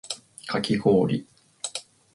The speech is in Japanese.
かき氷